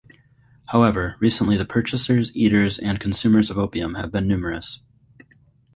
However, recently the purchasers, eaters, and consumers of opium have become numerous.